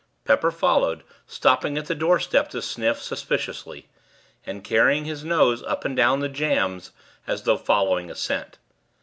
Pepper followed, stopping at the doorstep to sniff, suspiciously; and carrying his nose up and down the jambs, as though following a scent.